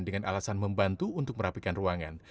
dengan alasan membantu untuk merapikan ruangan